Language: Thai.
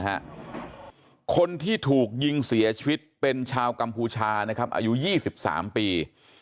คนที่ถูกยิงเสียชีวิตเป็นชาวกัมพูชานะครับอายุ๒๓ปี